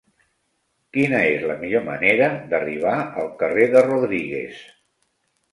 Quina és la millor manera d'arribar al carrer de Rodríguez?